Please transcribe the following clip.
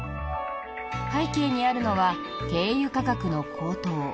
背景にあるのは軽油価格の高騰。